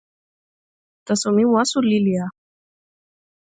taso mi waso lili a.